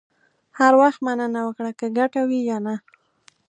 هر وخت مننه وکړه، که ګټه وي یا نه.